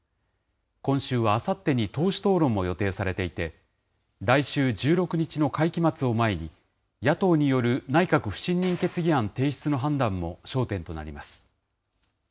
今週はあさってに党首討論も予定されていて、来週１６日の会期末を前に、野党による内閣不信任決議案提出の判断も焦点となります。